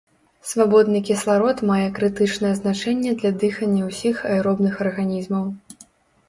Свабодны кісларод мае крытычнае значэнне для дыхання ўсіх аэробных арганізмаў.